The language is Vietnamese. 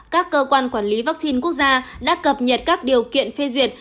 các cơ quan quản lý vaccine quốc gia đã cập nhật các điều kiện phê duyệt